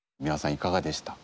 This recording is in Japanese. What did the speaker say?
いかがでしたか？